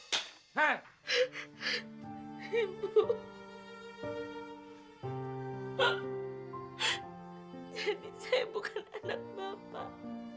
jadi saya bukan anak bapak